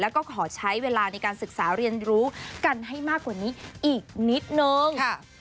แล้วก็ขอใช้เวลาในการศึกษาเรียนรู้กันให้มากกว่านี้อีกนิดนึง